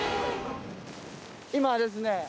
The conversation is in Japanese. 今ですね。